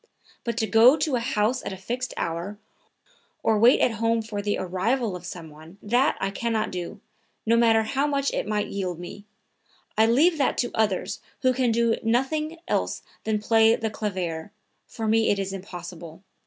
But to go to a house at a fixed hour, or wait at home for the arrival of some one, that I can not do, no matter how much it might yield me; I leave that to others who can do nothing else than play the clavier, for me it is impossible.